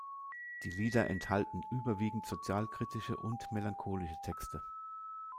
Die Lieder enthalten überwiegend sozialkritische und melancholische Texte.